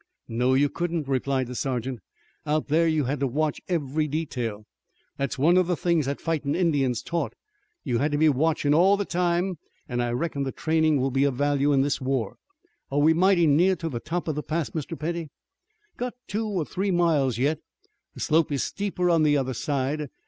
"No, you couldn't," replied the sergeant. "Out there you had to watch every detail. That's one of the things that fightin' Indians taught. You had to be watchin' all the time an' I reckon the trainin' will be of value in this war. Are we mighty near to the top of the pass, Mr. Petty?" "Got two or three miles yet. The slope is steeper on the other side.